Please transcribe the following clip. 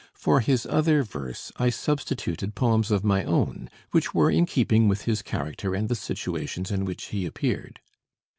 For his other verse I substituted poems of my own, which were in keeping with his character and the situations in which he appeared."